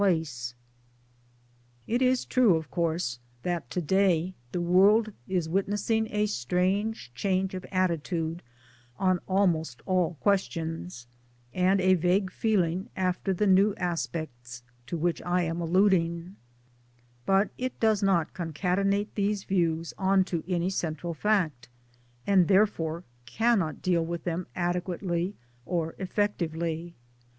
202 MY DAYS AND DREAMS It is true, of course, that to day the world is wit nessing a strange change of attitude on almost all questions, and a vague feeling after the new aspects to which I am alluding ; but it does not concatenate these views on to any central fact, and therefore cannot deal with them adequately or effectively.